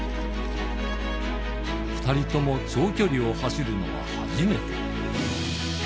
２人とも長距離を走るのは初めて。